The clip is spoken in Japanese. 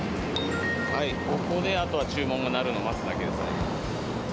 ここであとは注文が鳴るのを待つだけですね。